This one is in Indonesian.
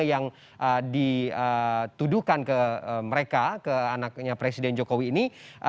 yang dituduhkan ke mereka ke anaknya presiden jokowi ini